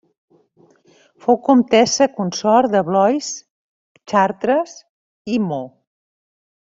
Fou comtessa consort de Blois, Chartres i Meaux.